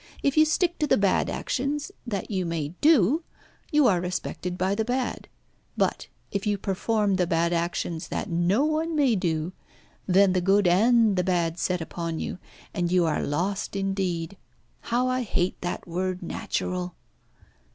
If you stick to the bad actions that you may do, you are respected by the bad. But if you perform the bad actions that no one may do, then the good and the bad set upon you, and you are lost indeed. How I hate that word natural."